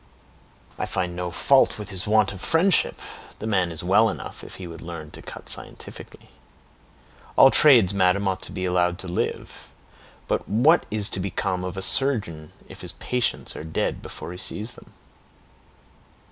"I find no fault with his want of friendship; the man is well enough if he would learn to cut scientifically. All trades, madam, ought to be allowed to live; but what is to become of a surgeon, if his patients are dead before he sees them!"